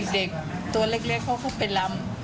เด็กตัวเล็กเขาก็ไปลำ